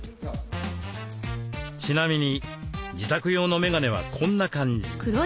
ちなみに自宅用のメガネはこんな感じ。